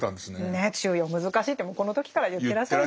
ねえ中庸難しいってもうこの時から言ってらっしゃるんですね。